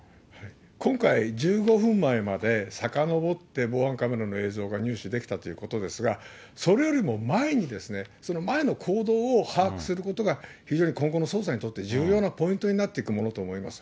今回、１５分前までさかのぼって、防犯カメラの映像が入手できたということですが、それよりも前にですね、前の行動を把握することが、非常に今後の捜査にとって、重要なポイントになっていくものと思います。